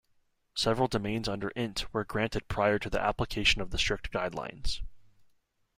Several domains under "int" were granted prior to the application of the strict guidelines.